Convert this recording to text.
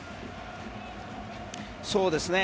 そうですね。